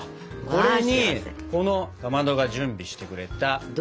これにこのかまどが準備してくれた。